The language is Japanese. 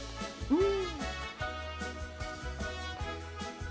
うん。